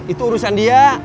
itu urusan dia